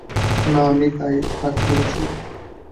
না, আমিই তাকে বলেছি।